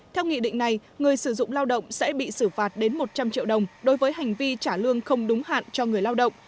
theo nghị định này người sử dụng lao động sẽ bị xử phạt đến một trăm linh triệu đồng đối với hành vi trả lương không đúng hạn cho người lao động